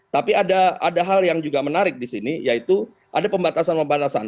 tapi ada hal yang juga menarik di sini yaitu ada pembatasan pembatasan